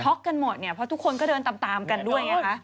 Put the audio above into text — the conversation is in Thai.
ช็อคกันหมดเพราะทุกคนก็เดินตามกันด้วย